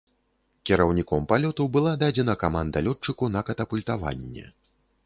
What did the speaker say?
Кіраўніком палёту была дадзена каманда лётчыку на катапультаванне.